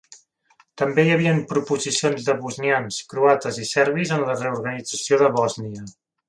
També hi havien proposicions de bosnians, croates i serbis en la reorganització de Bòsnia.